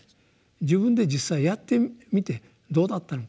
自分で実際やってみてどうだったのかと。